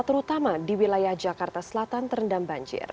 terutama di wilayah jakarta selatan terendam banjir